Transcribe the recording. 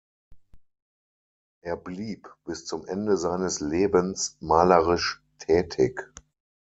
Er blieb bis zum Ende seines Lebens malerisch tätig.